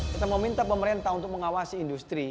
kita meminta pemerintah untuk mengawasi industri